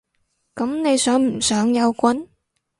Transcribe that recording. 噉你想唔想有棍？